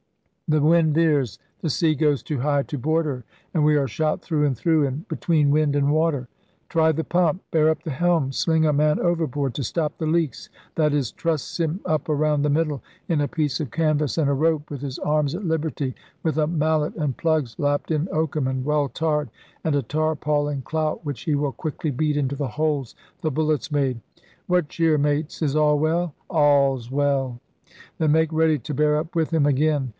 ...' The wind veers, the sea goes too high to board her, and we are shot through and through, and between wind and water.' 'Try the pump! Bear up the helm! Sling a man overboard to stop the leaks, that is, truss him up around the middle in a piece of canvas and a rope, with his arms at liberty, with a mallet 46 ELIZABETHAN SEA DOGS and plugs lapped in oakum and well tarred, and a tar pauling clout, which he will quickly beat into the holes the bullets made. ' 'What cheer, Mates, is all Well?* 'All's well!' *Then make ready to bear up with him again!'